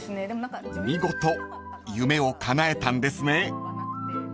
［見事夢をかなえたんですね］